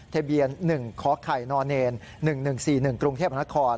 ทะเบียน๑คไข่นเนน๑๑๔๑กรุงเทพฯมค